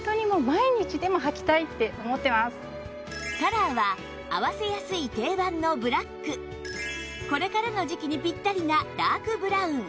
カラーは合わせやすい定番のブラックこれからの時期にピッタリなダークブラウン